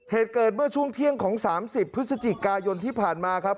เหตุเกิดเมื่อช่วงเที่ยงของ๓๐พฤศจิกายนที่ผ่านมาครับ